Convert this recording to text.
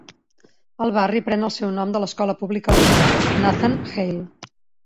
El barri pren el seu nom de l'escola pública local, Nathan Hale.